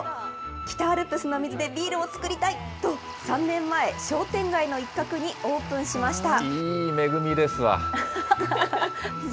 北アルプスの水でビールを造りたいと、３年前、商店街の一角にオープンしました。